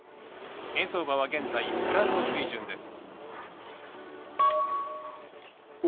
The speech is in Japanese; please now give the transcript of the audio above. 円相場は現在、ご覧の水準です。